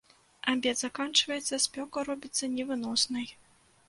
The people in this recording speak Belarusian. Абед заканчваецца, спёка робіцца невыноснай.